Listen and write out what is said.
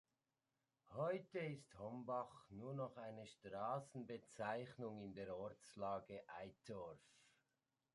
Heute ist "Hombach" nur noch eine Straßenbezeichnung in der Ortslage Eitorf.